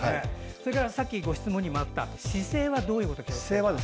それから、さっきご質問にもあった姿勢はどういうことを気をつければ？